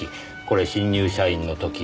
これ新入社員の時。